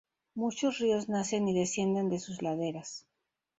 Muchos ríos nacen y descienden de sus laderas.